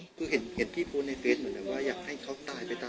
คือเห็นพี่โปรนายเฟสเหมือนแหละว่า